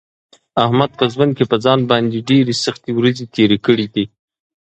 احمد په ژوند کې په ځان باندې ډېرې سختې ورځې تېرې کړې دي.